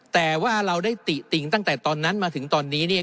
แต่ว่าเราได้ติติงตั้งแต่ตอนนั้นมาถึงตอนนี้เนี่ย